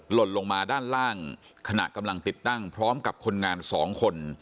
หล่นลงมาด้านล่างขณะกำลังติดตั้งพร้อมกับคนงานสองคน